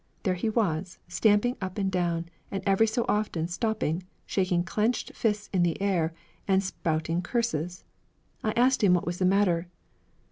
There he was, stamping up and down, every so often stopping, shaking clenched fists in the air, and spouting curses. I asked him what was the matter.